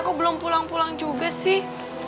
aku belum pulang pulang juga sih